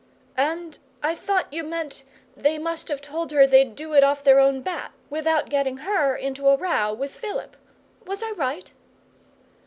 'And I thought you meant they must have told her they'd do it off their own bat, without getting her into a row with Philip. Was I right?